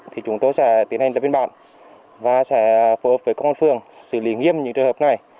thì chúng tôi sẽ tiến hành ra bên bạn và sẽ phù hợp với các ngân phường xử lý nghiêm những trường hợp này